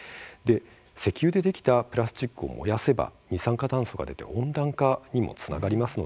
石油でできたプラスチックを燃やせば二酸化炭素が出て温暖化にもつながります。